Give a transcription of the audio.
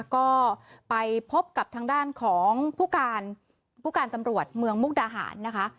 ก็ไปพบกับทางด้านของผู้การผู้การตำรวจเมืองมุกดาหารนะคะ